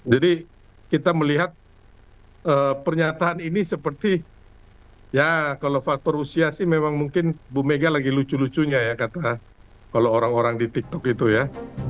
jadi kita melihat pernyataan ini seperti ya kalau faktor usia sih memang mungkin ibu mega lagi lucu lucunya ya kata orang orang di tiktok itu ya